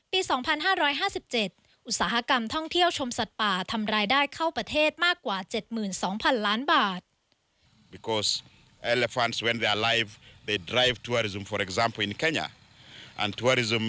ปี๒๕๕๗อุตสาหกรรมท่องเที่ยวชมสัตว์ป่าทำรายได้เข้าประเทศมากกว่า๗๒๐๐๐ล้านบาท